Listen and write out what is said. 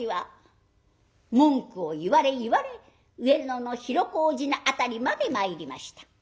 文句を言われ言われ上野の広小路の辺りまで参りました。